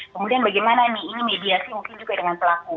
kemudian bagaimana nih ini mediasi mungkin juga dengan pelaku